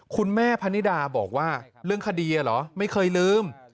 คุณแม่พนิดาบอกว่าเรื่องคดีเหรอไม่เคยลืม